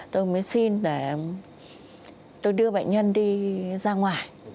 tôi mới xin để tôi đưa bệnh nhân đi ra ngoài